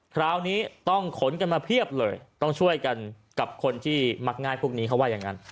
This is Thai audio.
คราวนี้ต้องขนกันมาเพียบเลยต้องช่วยกันกับคนที่มักง่ายพวกนี้เขาว่าอย่างนั้น